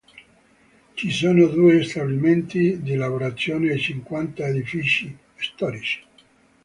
Ci sono due stabilimenti di lavorazione e cinquanta edifici storici.